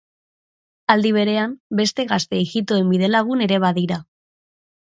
Aldi berean, beste gazte ijitoen bidelagun ere badira.